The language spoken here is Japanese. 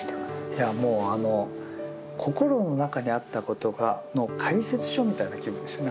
いやもうあの心の中にあったことの解説書みたいな気分でした。